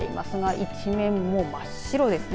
一面、もう真っ白ですね。